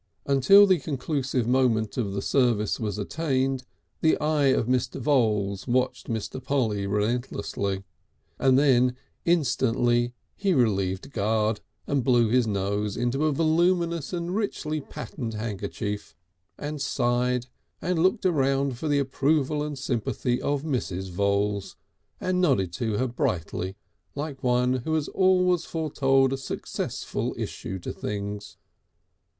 Until the conclusive moment of the service was attained the eye of Mr. Voules watched Mr. Polly relentlessly, and then instantly he relieved guard, and blew his nose into a voluminous and richly patterned handkerchief, and sighed and looked round for the approval and sympathy of Mrs. Voules, and nodded to her brightly like one who has always foretold a successful issue to things.